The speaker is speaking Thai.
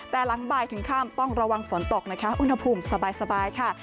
แต่หลังบ่ายถึงค่ำต้องระวังฝนตกนะคะอุณหภูมิสบายค่ะ